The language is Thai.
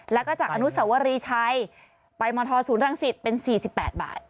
แล้วก็จากอนุสวรีชัยไปมธศูนย์รังสิตเป็น๔๘บาท